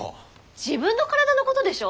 自分の体のことでしょ？